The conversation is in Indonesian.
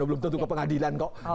belum tentu ke pengadilan kok